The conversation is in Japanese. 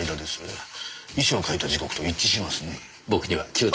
遺書を書いた時刻と一致しますねえ。